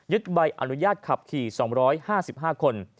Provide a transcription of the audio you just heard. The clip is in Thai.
ใบอนุญาตขับขี่๒๕๕คน